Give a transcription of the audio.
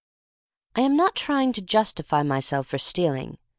— I am not trying to justify myself for stealing.